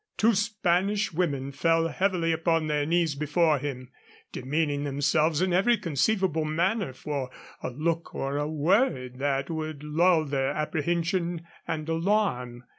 Two Spanish women fell heavily upon their knees before him, demeaning themselves in every conceivable manner for a look or a word that would lull their apprehension and alarm.